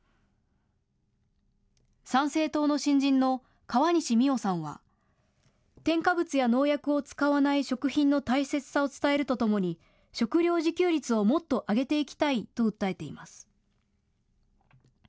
参政党の新人の河西泉緒さんは添加物や農薬を使わない食品の大切さを伝えるとともに食料自給率をもっと上げていきたいと訴えています。